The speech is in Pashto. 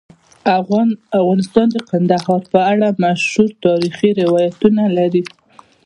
افغانستان د کندهار په اړه مشهور تاریخی روایتونه لري.